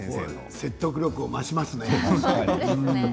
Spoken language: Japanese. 説得力を増しますね。